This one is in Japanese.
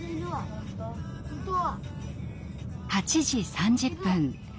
８時３０分